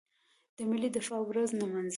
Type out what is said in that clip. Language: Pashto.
د ملي دفاع ورځ نمانځي.